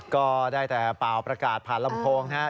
ก็ได้แต่เปล่าประกาศผ่านลำโพงนะครับ